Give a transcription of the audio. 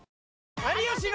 有吉の。